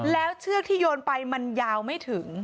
แล้วเชือกที่โยนไปมันยาวไม่ถึง